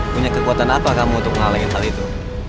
punya kekuatan apa kamu untuk menghalangin hal itu